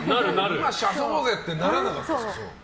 遊ぼうぜ！ってならなかったんですか？